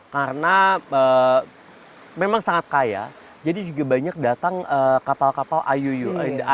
karena memang sangat kaya jadi juga banyak datang kapal kapal iuu